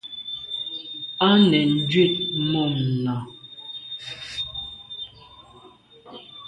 Á nèn njwit mum nà.